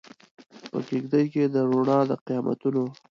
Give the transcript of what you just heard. په کیږدۍ کې د روڼا د قیامتونو